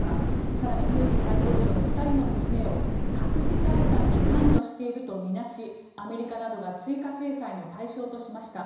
更にプーチン大統領の２人の娘を隠し財産に関与しているとみなしアメリカなどが追加制裁の対象としました。